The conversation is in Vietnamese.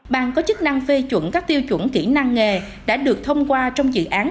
bang có chức năng phê chuẩn các tiêu chuẩn kỹ năng nghề đã được thông qua trong dự án